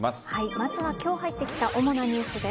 まずは今日入ってきた主なニュースです。